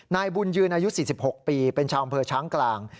นายบุญยืนอายุ๔๖ปีเป็นชาวอำเภอช้างกลาง